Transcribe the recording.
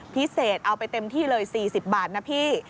เอาไปเต็มที่เลย๔๐บาทนะพี่